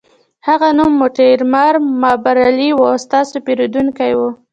د هغه نوم مورټیمر مابرلي و او ستاسو پیرودونکی و